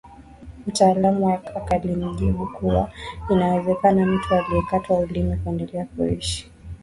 Mtaalamu alimjibu kuwa inawezekana mtu aliyekatwa ulimi kuendelea kuishi